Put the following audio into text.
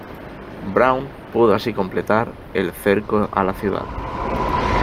Brown pudo así completar el cerco a la ciudad.